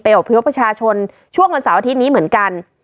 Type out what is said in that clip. เปลี่ยวประชาชนช่วงวันสาวอาทิตย์นี้เหมือนกัน